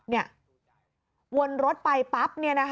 เนี่ยวนรถไปปั๊บ